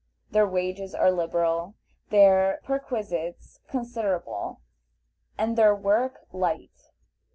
Their wages are liberal, their perquisites considerable, and their work light.